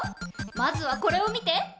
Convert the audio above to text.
まずはこれを見て。